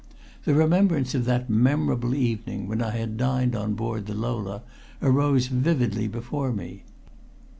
The remembrance of that memorable evening when I had dined on board the Lola arose vividly before me.